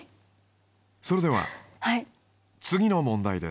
それでは次の問題です。